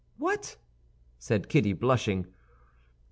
"What!" said Kitty, blushing.